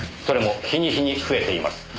それも日に日に増えています。